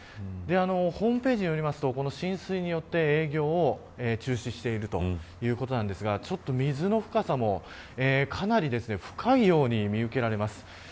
ホームページによりますと浸水によって営業を中止しているということなんですが水の深さもかなり深いように見受けられます。